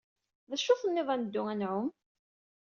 D acu tenniḍ ad neddu ad nɛum?